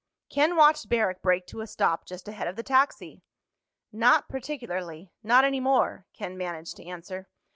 Ken watched Barrack brake to a stop just ahead of the taxi. "Not particularly—not any more," Ken managed to answer.